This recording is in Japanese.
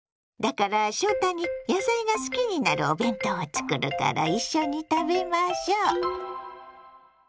だから翔太に野菜が好きになるお弁当を作るから一緒に食べましょう！